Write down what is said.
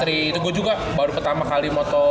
itu gue juga baru pertama kali moto